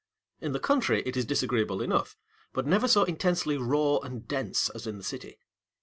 In the country it is disagreeable enough; but never so intensely raw and dense as in the city.